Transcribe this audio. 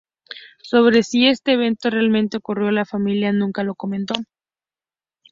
Sobre si este evento realmente ocurrió, la familia nunca lo comentó.